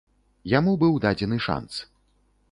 Яму быў дадзены шанц.